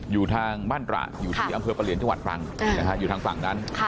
อยู่ทางบ้านตระอยู่ที่อำเภอประเหลียนจังหวัดตรังอยู่ทางฝั่งนั้น